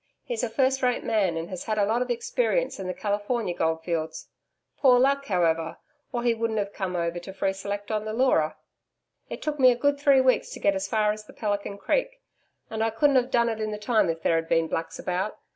He's a first rate man, and has had a lot of experience in the Californian goldfields. Poor luck, however, or he wouldn't have come over to free select on the Leura. It took me a good three weeks to get as far as the Pelican Creek, and I couldn't have done it in the time if there had been Blacks about.